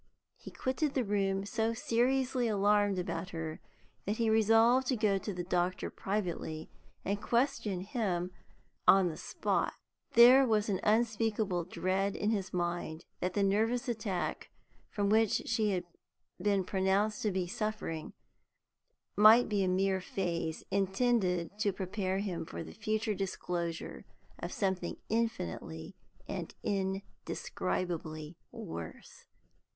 He quitted the room so seriously alarmed about her that he resolved to go to the doctor privately and question him on the spot. There was an unspeakable dread in his mind that the nervous attack from which she had been pronounced to be suffering might be a mere phrase intended to prepare him for the future disclosure of something infinitely and indescribably worse.